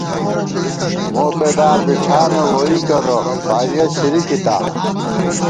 موپیداں بی ٹھانہ ووئی کرہ ، فاریَہ سِرِکِتا